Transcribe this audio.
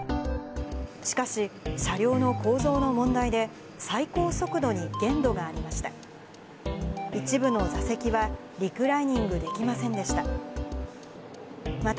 しかし、車両の構造の問題で、最高速度に限度がありました。